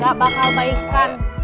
gak bakal baikan